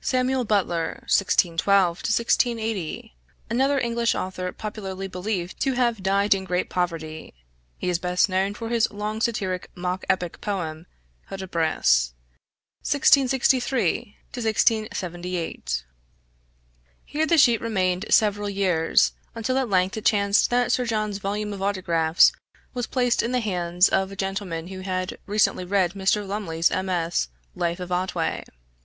{Samuel Butler (1612 1680), another English author popularly believed to have died in great poverty; he is best known for his long satiric mock epic poem, "Hudibras" (1663 1678)} Here the sheet remained several years, until at length it chanced that Sir John's volume of autographs was placed in the hands of a gentleman who had recently read Mr. Lumley's MS. Life of Otway.